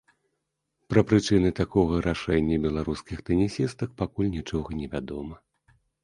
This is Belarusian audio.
Пра прычыны такога рашэння беларускіх тэнісістак пакуль нічога невядома.